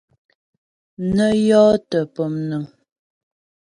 Nə jyɔ́tə pɔmnəŋ.